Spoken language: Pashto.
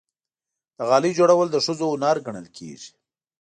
د غالۍ جوړول د ښځو هنر ګڼل کېږي.